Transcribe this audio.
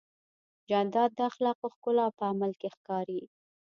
جانداد د اخلاقو ښکلا په عمل کې ښکاري.